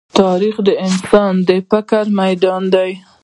تاریخ د انسان د فکر ميدان دی.